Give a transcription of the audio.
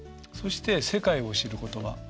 そして世界を知る言葉。